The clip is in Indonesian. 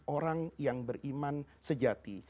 orang yang beriman sejati